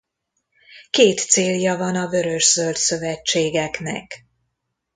Két célja van a vörös-zöld szövetségeknek.